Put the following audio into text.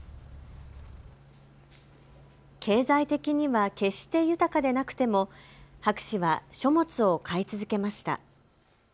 経済的には決して豊かでなくても博士は書物を買い続けました。